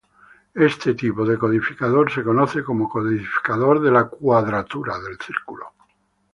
Este tipo de codificador se conoce como codificador de la cuadratura.